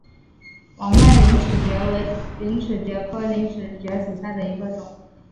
网脉陵齿蕨为陵齿蕨科陵齿蕨属下的一个种。